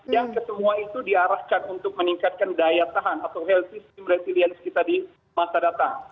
yang kesemua itu diarahkan untuk meningkatkan daya tahan atau health system resilience kita di masa datang